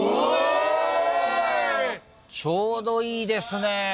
ちょうどいいですね。